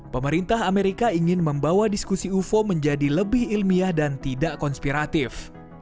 pemerintah amerika ingin membawa diskusi ufo menjadi lebih ilmiah dan tidak konspiratif